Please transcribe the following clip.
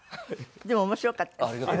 でも面白かったです。